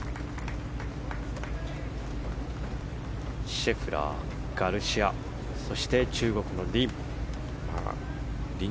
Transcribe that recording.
シェフラー、ガルシアそして中国のリン。